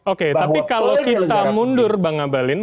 oke tapi kalau kita mundur bang ngabalin